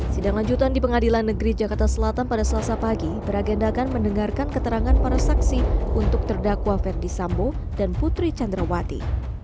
sidang lanjutan di pengadilan negeri jakarta selatan pada selasa pagi beragendakan mendengarkan keterangan para saksi untuk terdakwa ferdi sambo dan putri candrawati